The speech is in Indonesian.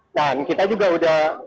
dan kita juga udah